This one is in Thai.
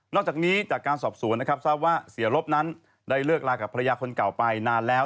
อกจากนี้จากการสอบสวนนะครับทราบว่าเสียรบนั้นได้เลิกลากับภรรยาคนเก่าไปนานแล้ว